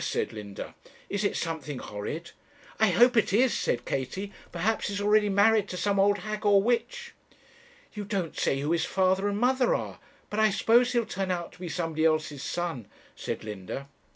said Linda; 'is it something horrid?' 'I hope it is,' said Katie; 'perhaps he's already married to some old hag or witch.' 'You don't say who his father and mother are; but I suppose he'll turn out to be somebody else's son,' said Linda.